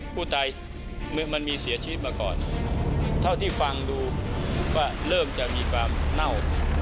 มันมีเสียชีวิตมาก่อนเท่าที่ฟังดูก็เริ่มจะมีความเน่า